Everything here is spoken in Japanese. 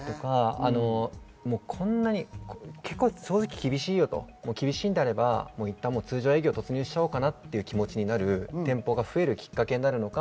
正直厳しいんであれば、通常営業に突入しようかなという気持ちになる店舗が増えるきっかけになるのか。